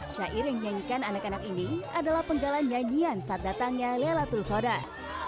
syair yang nyanyikan anak anak ini adalah penggalan nyanyian saat datangnya laylatul qadar